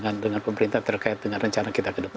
dengan pemerintah terkait dengan rencana kita ke depan